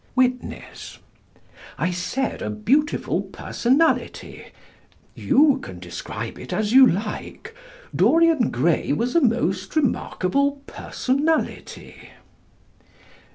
Witness: I said "a beautiful personality." You can describe it as you like. Dorian Gray was a most remarkable personality.